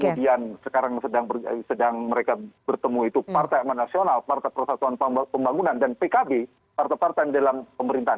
kemudian sekarang sedang mereka bertemu itu partai aman nasional partai persatuan pembangunan dan pkb partai partai dalam pemerintahan